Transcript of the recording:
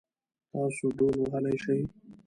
تاسو ډهول وهلی شئ؟